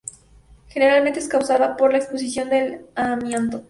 Generalmente es causada por la exposición al amianto.